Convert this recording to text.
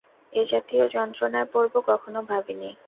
এ-জাতীয় যন্ত্রণায় পড়ব, কখনো ভাবি নি।